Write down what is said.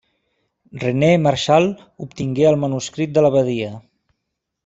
René Marchal obtingué el manuscrit de l'abadia.